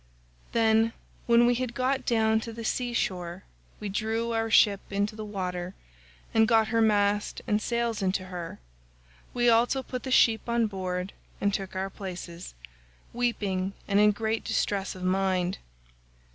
88 "Then, when we had got down to the sea shore we drew our ship into the water and got her mast and sails into her; we also put the sheep on board and took our places, weeping and in great distress of mind.